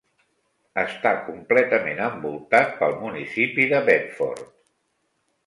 Està completament envoltat pel municipi de Bedford.